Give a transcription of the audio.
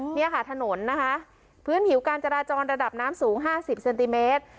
เนี่ยค่ะถนนนะคะพื้นผิวการจราจรระดับน้ำสูง๕๐เซนติเมตร